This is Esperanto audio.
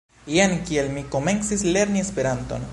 Jen kiel mi komencis lerni Esperanton.